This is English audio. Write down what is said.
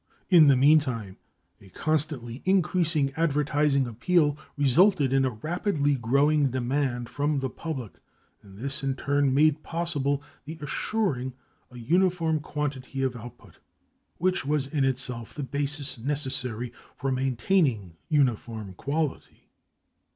In the meantime, a constantly increasing advertising appeal resulted in a rapidly growing demand from the public, and this, in turn, made possible the assuring a uniform quantity of output, which was in itself the basis necessary for maintaining uniform quality.